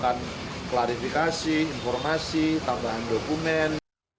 kita juga sudah menemukan klarifikasi informasi tambahan dokumen